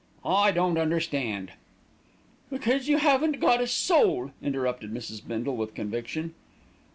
I don't understand " "Because you haven't got a soul," interrupted Mrs. Bindle with conviction.